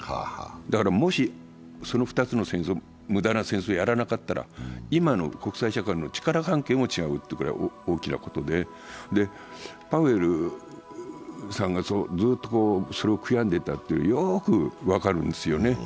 だから、もしその２つの無駄な戦争をやらなかったら今の国際社会の力関係も違うっていうぐらい大きなことでパウエルさんが、ずっとそれを悔やんでたというのはよく分かるんですよね。